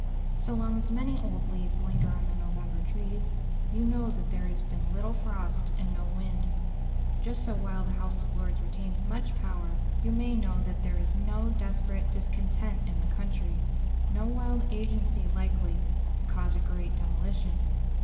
So long as many old leaves linger on the November trees, you know that there has been little frost and no wind; just so while the House of Lords retains much power, you may know that there is no desperate discontent in the country, no wild agency likely to cause a great demolition.